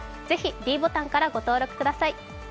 ぜひｄボタンからご登録ください。